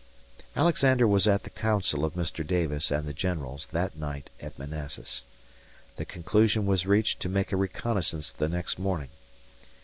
Alexander was at the council of Mr. Davis and the generals that night at Manassas. The conclusion was reached to make a reconnaissance the next morning.